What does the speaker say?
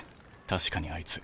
確かにあいつ。